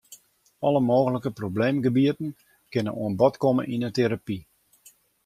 Alle mooglike probleemgebieten kinne oan bod komme yn 'e terapy.